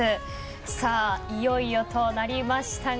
さあ、いよいよとなりましたが。